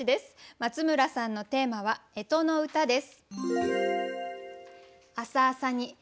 松村さんのテーマは「干支のうた」です。